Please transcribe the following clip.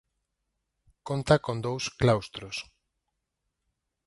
Conta con dous claustros.